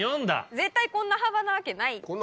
絶対こんな幅なわけない。